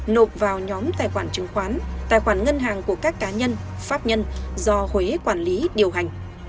nộp vào nhóm tài khoản chứng khoán tài khoản ngân hàng của các cá nhân pháp nhân do huế quản lý điều hành